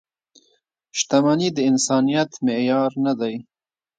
• شتمني د انسانیت معیار نه دی.